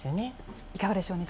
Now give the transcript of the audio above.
いかがでしょう？